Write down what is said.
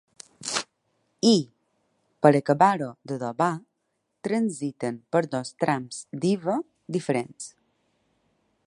I, per acabar-ho d'adobar, transiten per dos trams d'Iva diferents.